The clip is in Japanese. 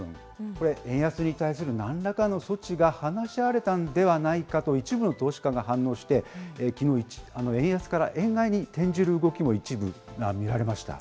これ、円安に対するなんらかの措置が話し合われたんではないかと一部の投資家が反応して、きのう、円売りから円買いに転じる動きも一部見られました。